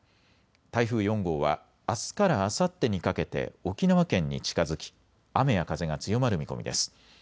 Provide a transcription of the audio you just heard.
台風４号はあすからあさってにかけて沖縄県に近づき雨や風が強まる見込みです。